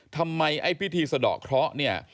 ทำไมพิธีสะดอกเคราะห์